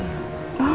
oh gak jenguk kamu